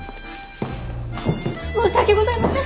申し訳ございません。